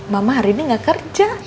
mama hari ini gak kerja